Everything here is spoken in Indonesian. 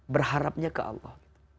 berharapnya ke allah